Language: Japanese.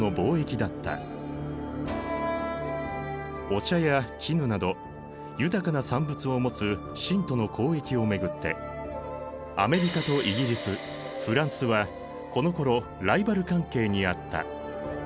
お茶や絹など豊かな産物を持つ清との交易を巡ってアメリカとイギリスフランスはこのころライバル関係にあった。